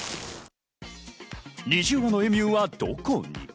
２０羽のエミューはどこに？